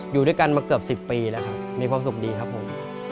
อยู่ด้วยกันมาเกือบ๑๐ปีแล้วครับมีความสุขดีครับผม